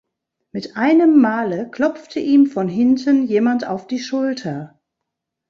Mit einem Male klopfte ihm von hinten jemand auf die Schulter.